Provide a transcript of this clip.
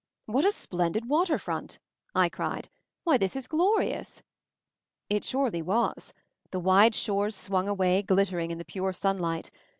"What a splendid water front!" I cried. "Why, this is glorious." It surely was. The wide shores swung away, glittering in the pure sunlight.